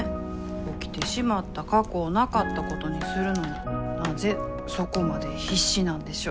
起きてしまった過去をなかったことにするのになぜそこまで必死なんでしょう。